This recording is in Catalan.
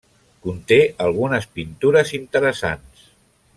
Conté algunes pintures interessants.